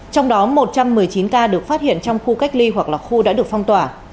trong đó một trăm một mươi chín ca được phát hiện trong khu cách ly hoặc là khu đã được phong tỏa